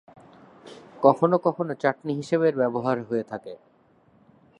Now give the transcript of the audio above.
কখনো কখনো চাটনি হিসেবে এর ব্যবহার হয়ে থাকে।